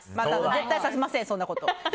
絶対させません、そんなこと。